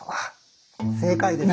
正解です。